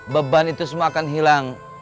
beban itu semua akan hilang